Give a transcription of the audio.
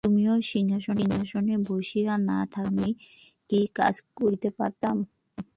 তুমি ওই সিংহাসনে বসিয়া না থাকিলে আমি কি কাজ করিতে পারিতাম?